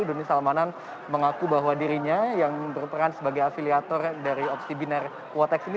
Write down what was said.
doni salmanan mengaku bahwa dirinya yang berperan sebagai afiliator dari opsi binar quotex ini